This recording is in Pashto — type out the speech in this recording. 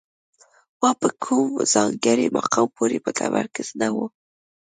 واک په کوم ځانګړي مقام پورې متمرکز نه و